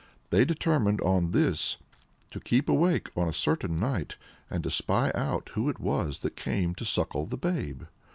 They determined on this; to keep awake on a certain night, and to spy out who it was that came to suckle the babe.